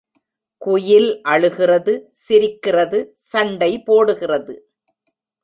குயில் அழுகிறது சிரிக்கிறது சண்டை போடுகிறது.